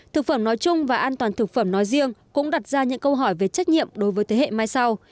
thực phẩm nói chung và an toàn thực phẩm nói riêng cũng đặt ra những câu hỏi về trách nhiệm đối với thế hệ mai sau